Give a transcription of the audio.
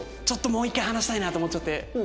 ちょっともう１回話したいなと思っちゃって。